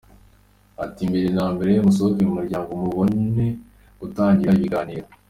Ati “ Mbere na mbere musohoke mu muryango, mubone gutangira ibiganiro.